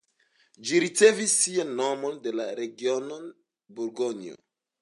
Ĝi ricevis sian nomon de la region Burgonjo.